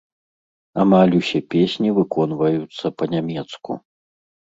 Амаль усе песні выконваюцца па-нямецку.